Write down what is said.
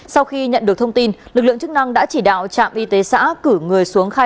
sau khi nhận được thông tin lực lượng chức năng đã chỉ đạo trạm y tế xã